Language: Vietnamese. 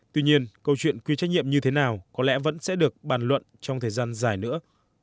tuy nhiên câu chuyện quy trách nhiệm như thế nào có lẽ vẫn sẽ được bàn luận trong thời gian dài nữa